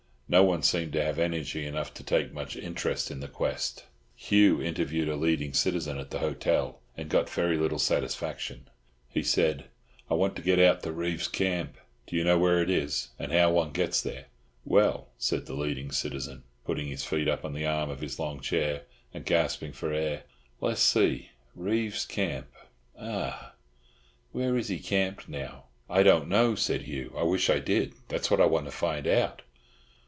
No one seemed to have energy enough to take much interest in the quest. Hugh interviewed a leading citizen at the hotel, and got very little satisfaction. He said, "I want to get out to Reeves's camp. Do you know where it is, and how one gets there?" "Well," said the leading citizen, putting his feet up on the arms of his long chair and gasping for air, "Le's see! Reeves's camp—ah! Where is he camped now?" "I don't know," said Hugh. "I wish I did. That's what I want to find out."